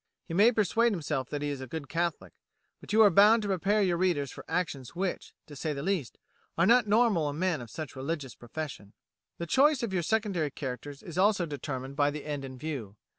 He may persuade himself that he is a good Catholic, but you are bound to prepare your readers for actions which, to say the least, are not normal in men of such religious profession. The choice of your secondary characters is also determined by the end in view.